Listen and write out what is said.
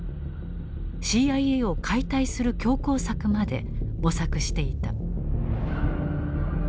ＣＩＡを解体する強攻策まで模索していた。